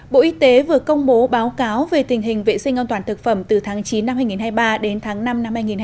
bộ y tế vừa công bố báo cáo về tình hình vệ sinh an toàn thực phẩm từ tháng chín năm hai nghìn hai mươi ba đến tháng năm năm hai nghìn hai mươi bốn